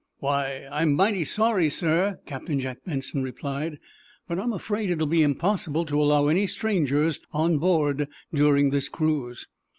"Why, I'm mighty sorry, sir," Captain Jack Benson replied. "But I'm afraid it will be impossible to allow any strangers on board during this cruise."